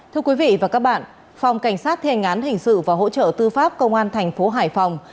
thưa quý vị và các bạn phòng cảnh sát thề ngán hình sự và hỗ trợ tư pháp công an thành phố hải phòng